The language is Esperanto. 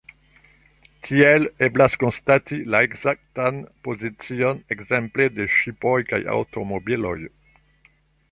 Tiel eblas konstati la ekzaktan pozicion ekzemple de ŝipoj kaj aŭtomobiloj.